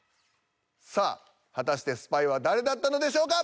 さあ果たしてスパイは誰だったのでしょうか？